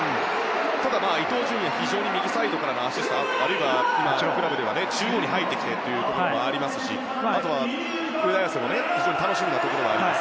ただ、伊東純也は右サイドからのアシストあるいは所属クラブでは中央に入ってきてというのもありますしあと、上田綺世も楽しみなところがあります。